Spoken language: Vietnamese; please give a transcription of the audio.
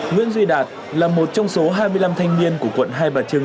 nguyễn duy đạt là một trong số hai mươi năm thanh niên của quận hai bà trưng